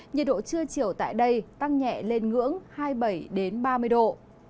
nhiệt độ trưa chiều tại đây tăng nhẹ lên ngưỡng hai mươi bảy ba mươi độ